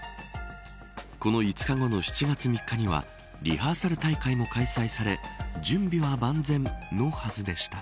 この５日後の７月３日にはリハーサル大会も開催され準備は万全のはずでした。